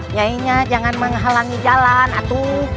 nyai nya jangan menghalangi jalan atuh